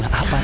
gak tau bos